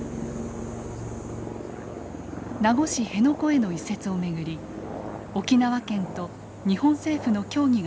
名護市辺野古への移設をめぐり沖縄県と日本政府の協議が続いています。